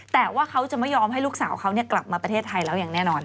แต่ว่าเขาจะไม่ยอมให้ลูกสาวเขากลับมาประเทศไทยแล้วอย่างแน่นอน